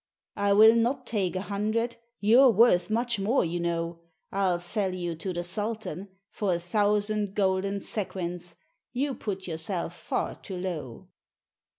"I will not take a hundred; You're worth much more, you know: I'll sell you to the Sultan For a thousand golden sequins: You put yourself far too low."